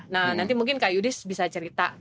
nah nanti mungkin kak yudis bisa cerita